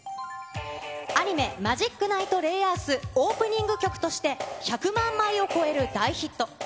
アニメ、魔法騎士レイアース、オープニング曲として、１００万枚を超える大ヒット。